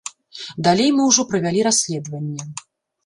Далей мы ўжо правялі расследаванне.